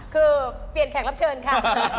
คือเปลี่ยนแขกรับเชิญค่ะ